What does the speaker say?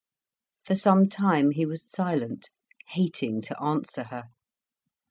For some time he was silent, hating to answer her.